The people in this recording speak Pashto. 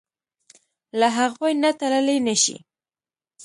له هغوی نه تللی نشې.